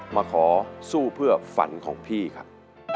มาขอสู้เพื่อฝันของพี่ครับ